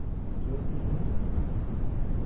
Tu vois ce que je veux dire ?